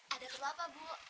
ada kerja apa bu